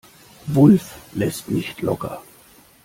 Wulff lässt nicht locker.